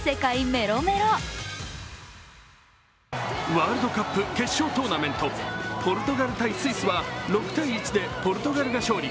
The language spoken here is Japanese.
ワールドカップ決勝トーナメント、ポルトガル×スイスは６−１でポルトガルが勝利。